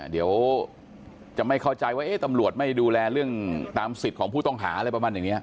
เดี๋ยวจะไม่เข้าใจว่าตำรวจไม่ดูแลเรื่องตามสิทธิ์ของผู้ต้องหา